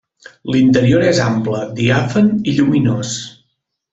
L'interior és ample, diàfan i lluminós.